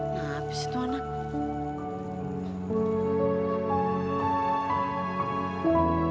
nah abis itu anak